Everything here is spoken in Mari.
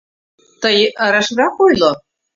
— Тый рашрак ойло?